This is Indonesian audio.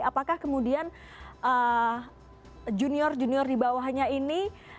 apakah kemudian junior junior di bawahnya ini